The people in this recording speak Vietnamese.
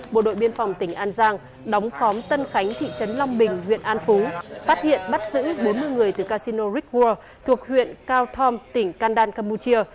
bộ đội biên phòng tỉnh an giang đóng khóm tân khánh thị trấn long bình huyện an phú phát hiện bắt giữ bốn mươi người từ casino rick world thuộc huyện cao thom tỉnh kandan campuchia